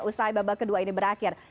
usai babak kedua ini berakhir